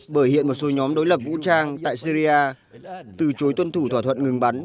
bởi hiện một số nhóm đối lập vũ trang tại syria từ chối tuân thủ thỏa thuận ngừng bắn